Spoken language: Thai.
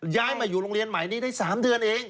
ย้ายมาอยู่โรงเรียนใหม่นี้ได้๓เดือนเอง